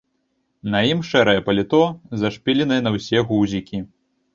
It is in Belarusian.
На ім шэрае паліто, зашпіленае на ўсе гузікі.